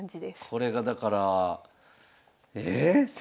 これがだからええ⁉